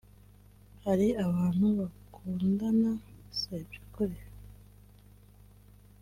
Hari Abantu bakundana se byukuri